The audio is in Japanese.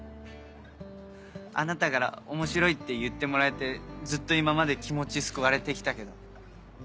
あなたから「面白い」って言ってもらえてずっと今まで気持ち救われてきたけど。